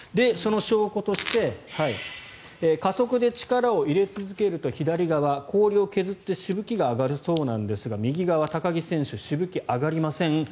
その証拠として加速で力を入れ続けると、左側氷を削ってしぶきが上がるそうなんですが右側、高木選手しぶきが上がりません。